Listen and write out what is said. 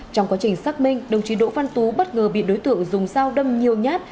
trong quá trình xác minh đồng chí đỗ văn tú bất ngờ bị đối tượng dùng dao đâm nhiều nhát